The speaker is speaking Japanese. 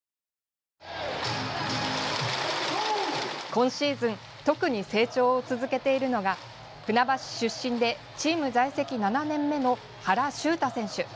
今シーズン特に成長を続けているのが船橋市出身でチーム在籍７年目の原修太選手。